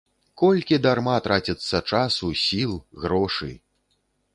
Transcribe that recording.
Колькі дарма траціцца часу, сіл, грошы!